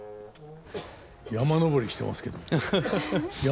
山登りしてますけど。